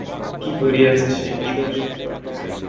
কী করিয়াছে সে, কী দোষ তার?